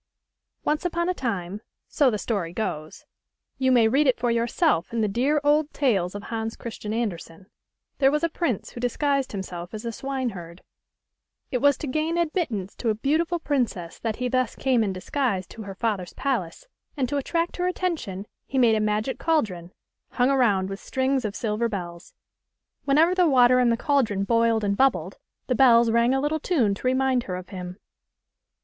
ONCE upon a time, so the story goes (you may read it for yourself in the dear old tales of Hans Christian Andersen), there was a prince who dis guised himself as a swineherd. It was to gain ad mittance to a beautiful princess that he thus came in disguise to her father's palace, and to attract her attention he made a magic caldron, hung around with strings of silver bells. Whenever the water in the caldron boiled and bubbled, the bells rang a little tune to remind her of him.